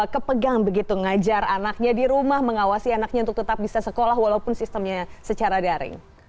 kepegang begitu ngajar anaknya di rumah mengawasi anaknya untuk tetap bisa sekolah walaupun sistemnya secara daring